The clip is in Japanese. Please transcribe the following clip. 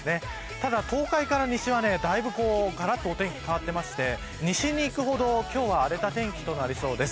ただ、東海から西はだいぶ、がらっとお天気変わっていて西にいくほど今日は荒れた天気となりそうです。